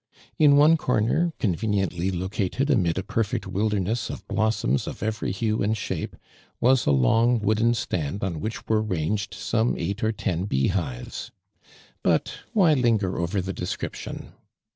In one corner, con veniently located amid a perfect wilderness of blossoms of every hue and shape, was a long wooden stand on which were ranged some eight or ten beehives. But why linger over the description?